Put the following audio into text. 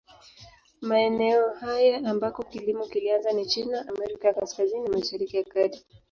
Maeneo haya ambako kilimo kilianza ni China, Amerika ya Kaskazini na Mashariki ya Kati.